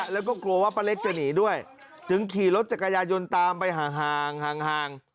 แล้วก็กลัวว่าป้าเล็กจะหนีด้วยจึงขี่รถจักรยายนตามไปห่างห่าง